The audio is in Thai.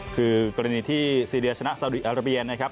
คือกรณีที่ซีเรียชนะสาวดีอาราเบียนะครับ